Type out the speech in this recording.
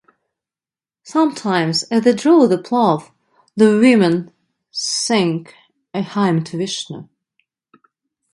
Sometimes as they draw the plough the women sing a hymn to Vishnu.